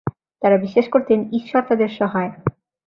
তারা বিশ্বাস করতেন ঈশ্বর তাদের সহায়।